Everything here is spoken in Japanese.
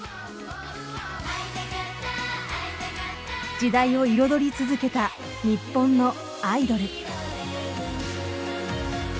時代を彩り続けた日本のアイドル。